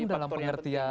hukum dalam pengertian